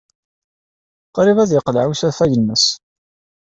Qrib ad yeqleɛ usafag-nnes.